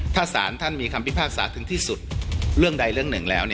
ถ้าสารท่านมีคำพิพากษาถึงที่สุดเรื่องใดเรื่องหนึ่งแล้ว